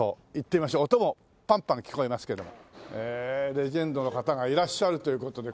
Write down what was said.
レジェンドの方がいらっしゃるという事で。